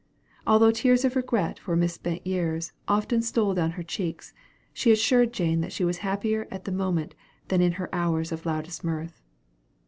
Although tears of regret for misspent years often stole down her cheeks, she assured Jane that she was happier at the moment than in her hours of loudest mirth.